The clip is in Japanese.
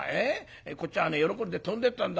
こっちは喜んで飛んでいったんだよ。